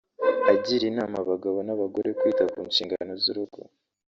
Agira inama abagabo n’abagore kwita ku nshingano z’urugo